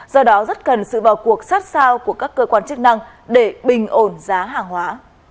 do đó rất cần sự vào cuộc sát sao của các cơ quan chức năng để bình ổn giá hàng hóa